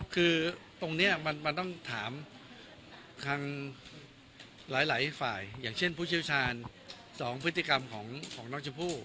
คือตรงนี้มันต้องถามทางหลายฝ่ายอย่างเช่นผู้เชี่ยวชาญ๒พฤติกรรมของน้องชมพู่